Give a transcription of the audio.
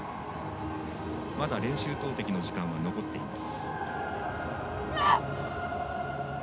まだ練習投てきの時間は残っています。